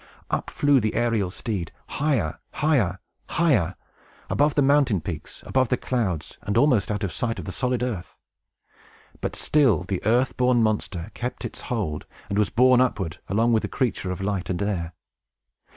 Up flew the aerial steed, higher, higher, higher, above the mountain peaks, above the clouds, and almost out of sight of the solid earth. But still the earth born monster kept its hold, and was borne upward, along with the creature of light and air.